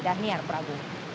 dan ini ya prabu